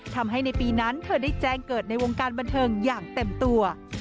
ทำให้ในปีนั้นเธอได้แจ้งเกิดในวงการบันเทิงอย่างเต็มตัว